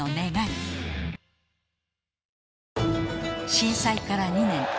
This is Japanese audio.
震災から２年